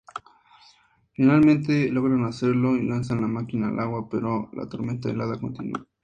Finalmente logran hacerlo y lanzan la máquina al agua, pero la tormenta helada continua.